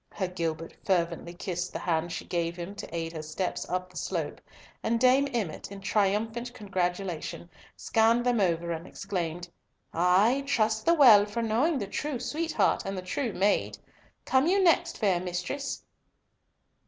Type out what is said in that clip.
Her Gilbert fervently kissed the hand she gave him to aid her steps up the slope, and Dame Emmott, in triumphant congratulation, scanned them over and exclaimed, "Ay, trust the well for knowing true sweetheart and true maid. Come you next, fair mistress?"